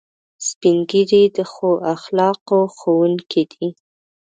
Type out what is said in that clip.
سپین ږیری د ښو اخلاقو ښوونکي دي